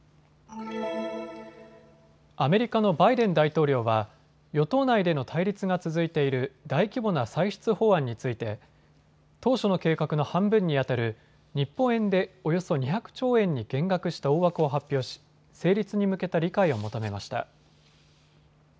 アメリカのバイデン大統領は与党内での対立が続いている大規模な歳出法案について当初の計画の半分に当たる日本円でおよそ２００兆円に減額した大枠を発表し成立に向けた理解を求めました。